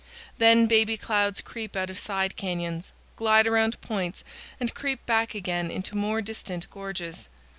Then baby clouds creep out of side canyons, glide around points, and creep back again into more distant gorges.